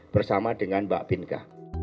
bersama dengan mbak binka